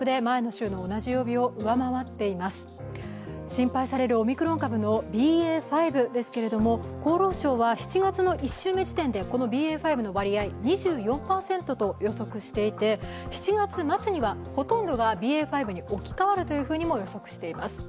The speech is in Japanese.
心配されるオミクロン株のＢＡ．５ですけども厚労省は７月の１週目時点でＢＡ．５の割合が２４％と予測していて、７月末にはほとんどがＢＡ．５に置き換わるとも予想しています。